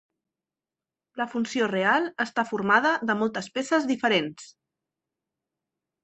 La funció real està formada de moltes peces diferents.